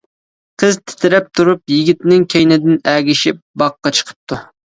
قىز تىترەپ تۇرۇپ يىگىتنىڭ كەينىدىن ئەگىشىپ باغقا چىقىپتۇ.